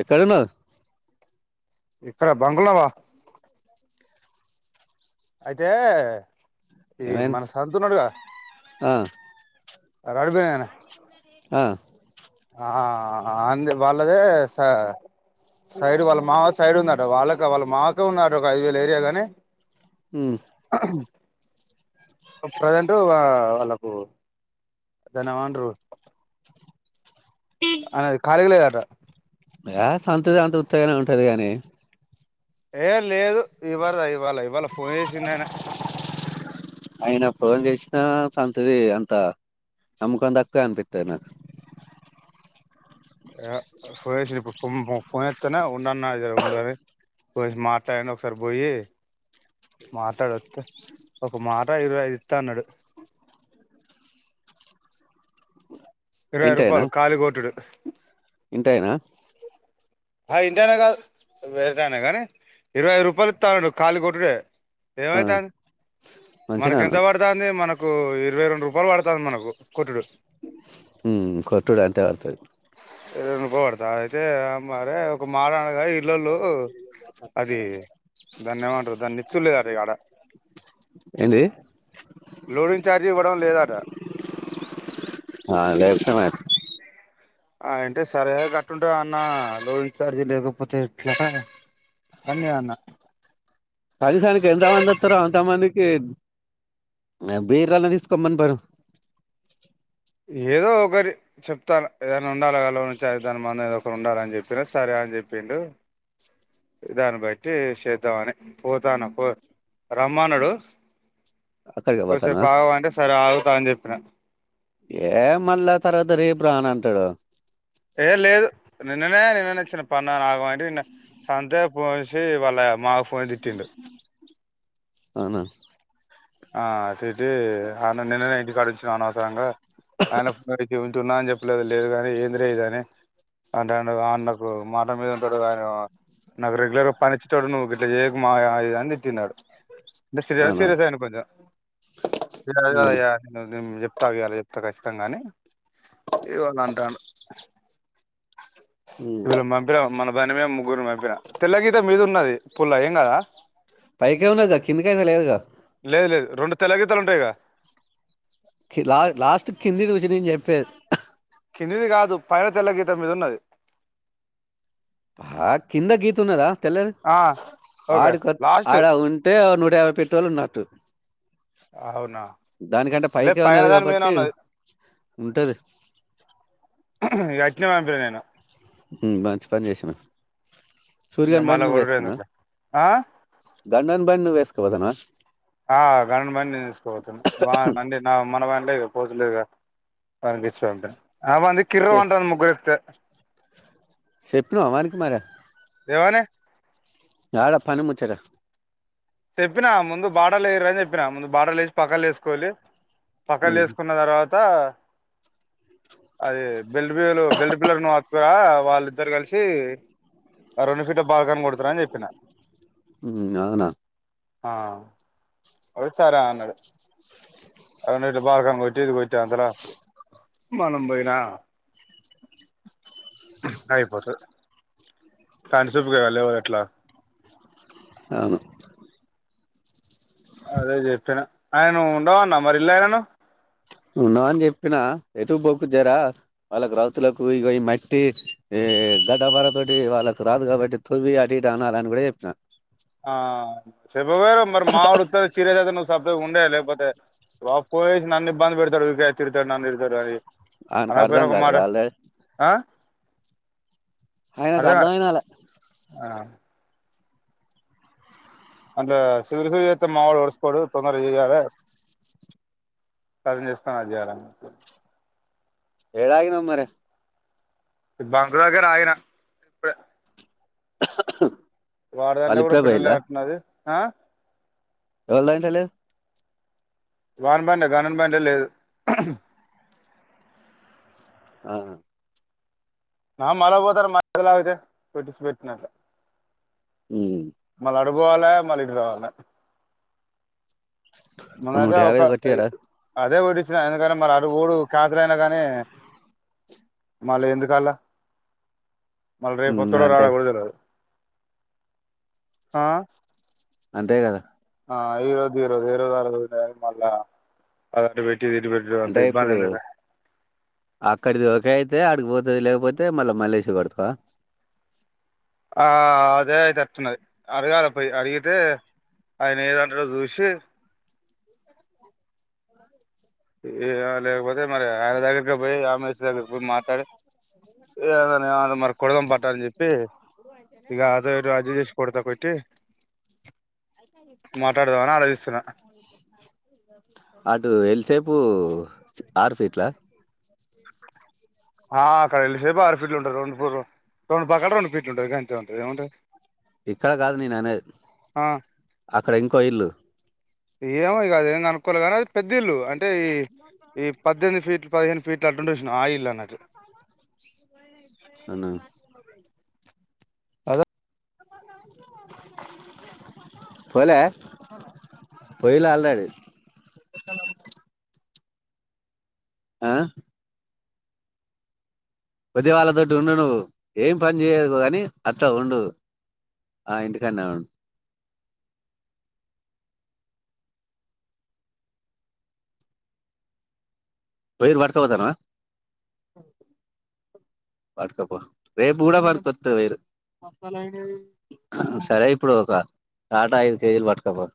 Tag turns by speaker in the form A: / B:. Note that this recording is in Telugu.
A: ఎక్కడున్నారు
B: ఇక్కడ బంకులావా అయితే ఏ
A: ఏమైంది
B: మన సంతున్నాడు గా
A: ఆ
B: ఆ రాడుబెడనా
A: ఆ
B: ఆ అ వాళ్ళదే స సైడ్ వాళ్ళ మావ సైడ్ ఉందట వాళ్ళక వాళ్ళ మామకే ఉందట ఒక ఐదు వేలు ఏరియా లోనే
A: హుమ్
B: ప్రజెంట్ వా వాళ్ళకు దాని ఏం అంటారు అది ఖాళీగా లేదట
A: ఆ సంతుతి అంత ఉత్తగానే ఉంటది గాని
B: ఏం లేదు ఇవర చె
A: ఆయన ఫోన్ చేసిన సంతుది అంత నమ్మకం తక్కవ అనిపిత్తది నాక్
B: పోసి ఇప్పుడు పొస్తనే ఉంటున్న ఇద్దరం ఉండని పోయి మాట్లాడి ఒకసారి పోయి మాట్లాడ ఒక మాట ఇరవై ఐదు ఇస్తా అన్నాడు ఇరవై
A: ఇంటేనా
B: రూపాయలు కాళిగోట్టుడు
A: ఇంటేనా
B: ఇంటయనా కాదు బయటిఅయనే గాని ఇరవై ఐదు రూపాయలు ఇస్తానడు ఖాళీ కొట్టుడె
A: ఆ
B: ఏమైతంది మనకి
A: మంచిగానే
B: ఎంత పడుతంది మనకు ఇరవై రెండు రూపాయలు పడుతంది మనకు కొట్టుడు
A: ఉ కొట్టుడు అంతే పడుతది
B: ఎ కోడత అయితే అ మరే ఒక ఒక మాట అన్నాడు గా ఇంట్లొవాల్లు అది దాన్ని ఏమంటారు దాన్ని నిచుడలేదట ఇక్కడ
A: ఏంటిది
B: లోడింగ్ చార్జ్ ఇవ్వడం లేదంట
A: ఆ లేపుతనై
B: అంటే సరే గట్టుంటే అన్న లోడింగ్ చార్జి లేకపోతే ఇట్లా అని నేనూ అన్నా
A: కనీసానికి ఎంతమంది వస్తారు అంతమందికి బీర్ అన్న తీసుకోమనపోయిన
B: ఏదో ఒకటి చెప్తాను ఏదైనా ఉండాలి కదా లోన్ చార్జ్ దాని మందు ఏదో ఒకటి ఉండాలని చెప్పినా సరే అని చెప్పిండు దాన్ని బట్టి చేద్దామని పోతాను పో రమ్మన్నాడు
A: అక్కడికే పోతానవా
B: కుసేపు ఆగవంటే సరే ఆగుతా అని చెప్పినా
A: ఏ మళ్ళ తరువాత రేపు రాను అంటాడు
B: ఏ లేదు నిన్ననే నేను చిన్న పన్న ఆగమని సంతే పోసి వాళ్ళ మాకు పోషిచ్చిండు
A: అవునా
B: ఆ అటి ఆన నిన్ననే ఇంటికాడుంచిన అనవసరంగా ఆయన ఫోన్ రిపేర్ ఉన్నా అని చెప్పలేదు లేదు కాని ఏందిరా ఇది అని అంటాండు ఆ నాకు మాట మీద ఉంటడు అయన నాకు రెగ్యులర్గా పనిచ్చేటోడు నువ్వు ఇట్లా చేయకు మావయ్యా అది ఇది అని తిట్టిండు సీరియస్
A: అవునా
B: సీరియస్ అయినా అ అద
A: ఉమ్
B: రేపు చెప్తా ఇయాల చెప్తా ఖచ్చితంగా అని ఏదో అట్లా అంటాండు
A: ఉమ్
B: ఈ ఆళ్ళ మధ్య మన బండి మీద ముగ్గురు ని పంపిన తెల్లగీత మీద ఉన్నది పుల్ల ఏం కదా
A: పైకె ఉన్నది గా కిందికి అయితే లేదు గా
B: లేదు లేదు రెండు తెల్ల గీతలు ఉంటాయి గ
A: కిందిది చూసి నేను చెప్పేది
B: కిందిది కాదు పైన తెల్ల గీత మీద ఉన్నది
A: ఆ కింద గీత ఉన్నదా తెల్లది
B: ఆ ఓకే
A: ఆడుక
B: లాస్ట్
A: ఆడ ఉంటే నూట యాబై పెట్ తోలున్నట్టు
B: అవునా
A: దానికంటే
B: లేదు
A: పైకె
B: పైన
A: ఉన్నది
B: దాని మీద
A: కాబట్టి
B: ఉన్నది
A: ఉంటది
B: ఆ అట్టనే పంపిన నేను
A: ఊ మంచి పని చేసిన
B: ఇక
A: సూర్యగాని బండి
B: మళ్ళా
A: నువ్వ
B: కొడుడు
A: వేసుకున్నా
B: ఎందుకులే ఆ
A: గండోని బండి నువ్వ వేసుకున్ తొడదన
B: ఆ గని బండి నేను తీసుకబోతున్నా మ బండి మన బన్ అంటే పోతలేదు గా అనిపిస్తాంది అ బండి కిర్
A: చె
B: మంటాంది ముగ్గురు ఎక్కితే
A: చెప్పినవ వానికి మరి
B: లేవనే
A: యాడ పని ముచ్చట
B: చెప్పినా ముందు బార్డర్లు వేయళ్లి అని చెప్పినా ముందు బార్డర్లు వేసి పక్కలు వేసుకోళ్లి పక్కలు
A: ఉమ్,
B: వేసుకున్న తర్వాత క ఆది బెల్ బ బెల్ పిల్ర్ ను ఇగ వాళ్ళిద్దరు కలిసి రెండు ఫీట్ల బాల్కాని కొడతారు అని చెప్పిన
A: మ్మ్ అవునా
B: ఆ ఒ సరే అన్నాడు అ బాగ కొట్టి ఇది కొట్టే అంతలో మనం పోయినా అయిపోతది కానీ చూపు లేవదు అట్లా
A: అవును
B: అదే చెప్పిన ఆయన్ను ఉండమన్నవ మరి ఇల్లు ఆయనను
A: ఉండమని చెప్పినా ఎటు బొకు జరా వాళ్ళ రాతులకు ఇ ఈ మట్టి ఏ గడ్పర తోటి వాళ్ళకు రాదు కాబట్టి తువి అటుటు అనాలని కూడా చెప్పిన
B: ఆ చెబ వేరు మరి మా ఆడుతు సీరియస్ అద నువు సబ్ ఉండే లేకపోతే వా పోేయేసి నన్ను ఇబ్బంది పెడతాడు ఊకె తిరుతాడు నన్ను ఇడతాడు అని
A: ఆయనకు అర్థం
B: అలాపోరు ఒక మాట
A: కాలేదు ఆల్రెడీ
B: ఆ
A: అయినాకు
B: అర్థం
A: అర్ధం
B: కాలే
A: అయిన అలా
B: ఆ అందులో సూరి సూరి చేత్తే మా వోడు ఓర్సుకోడు తొందర చేయాల సదిం చేసుకుని చేయాల
A: ఎ ఆగినమ్ మరే
B: బంక్ దగ్గర ఆగినా ట్రిప్పే వాడదంటే
A: వాళ్ళు
B: కూడా
A: ఇప్పుడే
B: పెటటుబలులేకంటది ఆ
A: ఎంద్ అయితలేదు
B: వాని బండే కానని బండే లేదు
A: ఆ
B: నావ మలగబోతార మలాతే పెట్స్బెట్న
A: మ్మ్
B: పభవాల మళ్ళీడు రావాల మన
A: నూట
B: అదే
A: యాభై
B: ఒక
A: కట్టియారా
B: అదే ఒడిస్ ఎందుకంటే మరి అడుగడు కాదలయినా గానీ మళ్ళీ ఎందుకల్లా మళ రేపొత్తడా రాడ
A: అంతే
B: కూడా తెల్వదు ఆ
A: అంతే కదా
B: ఆ ఈరోజు ఈరోజు ఏ పెట్టిది ఇటు పెట్టిది అంత
A: అంటే
B: ఇబ్బంది
A: ఇప్పుడు
B: ఎందుకు
A: అక్కడిది అ అయితే అడికిపోతుంది లేకపోతే మళ్ళా మలేసి కొడుతవ
B: ఆ అదే చెప్తున్నది అడగాలా పోయి అడిగితే ఆయన ఏమంటాడో చూసి ఇగ లేకపోతే మరి ఆయన దగ్గరికి పోయి ఆమేష్ దగ్గరకి పోయి మాట్లాడి [unintelligible] దని చెప్పి ఇక అదో ఇదో అడ్జస్ట్ చేసి కొడతా కొట్టి మాట్లాడదామని ఆలోచిస్తున్నా
A: అటు ఎల్ సే పూ ఆరు ఫీట్లా
B: ఆ అక్కడ యల్ సేపు ఆరు ఫీట్లు ఉంటది రెండు ఫ్లోర్లు రెండు పక్కల రెండు ఫీట్లు ఉంటంది గంతే ఉంటది ఏం ఉంటది
A: ఇక్కడ కాదు నేను అనే అక్కడ ఇంకో ఇల్లు
B: ఏమోకద ఏం అనుకోలే కానీ అది పెద్ద ఇల్లు అంటే ఈ పద్దెనిమిది ఫీట్లు పదిహేను ఫీట్లు అంటుంది చూసినావా ఆ ఇల్లు అన్నట్టు
A: అవునా
B: అద
A: పోలే పోయిలే అల్రెడీ ఆ కొద్ది వాళ్ళతోటి ఉండు నువ్వు ఏం పని చేయొద్దు కానీ అట్లా ఉండు ఆ ఇంటికన్నే ఉం వయరు పట్కపోదామా పటుకపో రేపు కూడా మనక వయరు సరే ఇప్పుడు ఒక ఆటా ఐదు కేజీలు పట్కపో